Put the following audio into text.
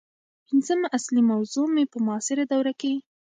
پنځمه اصلي موضوع مې په معاصره دوره کې